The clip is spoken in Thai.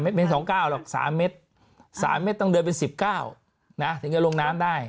๓เม็ดไม่ใช่๒เก้าหรอก๓เม็ดต้องเดินเป็น๑๙ถึงจะลงน้ำได้